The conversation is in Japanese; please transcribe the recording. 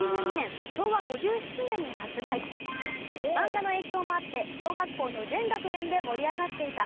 漫画の影響もあって小学校の全学年で盛り上がっていた。